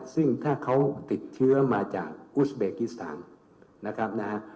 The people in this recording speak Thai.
ซึ่งถ้าเขาติดเชื้อมาจากกุสเบกิสถานนะครับนะฮะ